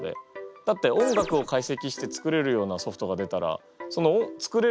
だって音楽をかいせきして作れるようなソフトが出たらその作れる